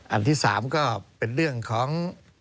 อันที่๓ก็เป็นเรื่องของ